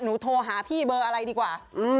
โทรหาพี่เบอร์อะไรดีกว่า